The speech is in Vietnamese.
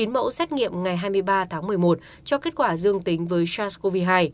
chín mẫu xét nghiệm ngày hai mươi ba tháng một mươi một cho kết quả dương tính với sars cov hai